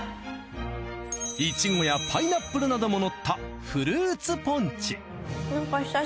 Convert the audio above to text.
イチゴやパイナップルなども乗ったフルーツポンチ。